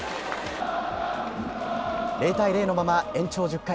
０対０のまま延長１０回。